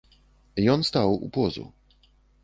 Ён стаў у позу.